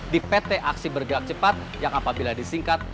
di pt aksi bergerak cepat yang apabila disingkat